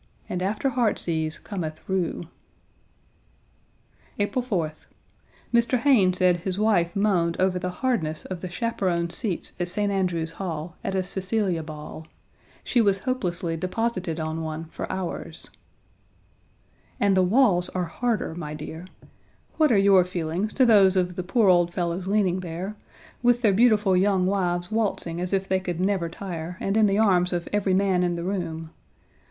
And after heartsease cometh rue. April 4th. Mr. Hayne said his wife moaned over the hardness of the chaperones' seats at St. Andrew's Hall at a Cecilia Ball. 1 She was hopelessly deposited on one for hours. "And the walls are harder, my dear. What are your feelings to those of the poor old fellows leaning there, with, their beautiful young wives waltzing as if they could never tire and in the arms of every man in the room.